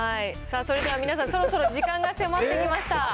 それでは皆さん、そろそろ時間が迫ってきました。